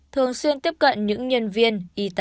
thường xuyên tiếp cận những nhân viên